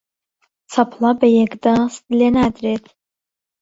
چەپڵە بە یەک دەست لێ نادرێت